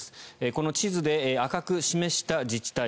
この地図で赤く示した自治体